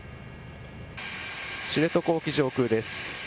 知床沖上空です。